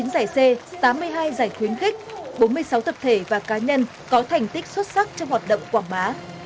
tám mươi chín giải c tám mươi hai giải khuyến khích bốn mươi sáu tập thể và cá nhân có thành tích xuất sắc trong hoạt động quảng bá